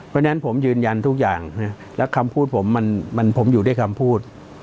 เพราะฉะนั้นผมยืนยันทุกอย่างแล้วคำพูดผมอยู่ด้วยคำพูด